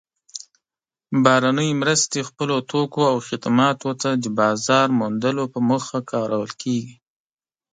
بهرنۍ مرستې خپلو توکو او خدماتو ته د بازار موندلو په موخه کارول کیږي.